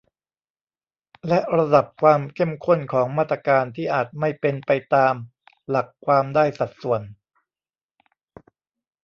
และระดับความเข้มข้นของมาตรการ ที่อาจไม่เป็นไปตามหลักความได้สัดส่วน